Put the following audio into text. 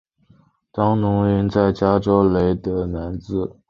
当奴云在加州雷德兰兹。